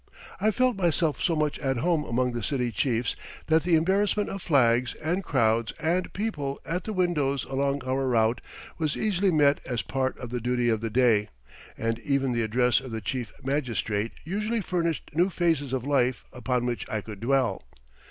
I felt myself so much at home among the city chiefs that the embarrassment of flags and crowds and people at the windows along our route was easily met as part of the duty of the day, and even the address of the chief magistrate usually furnished new phases of life upon which I could dwell.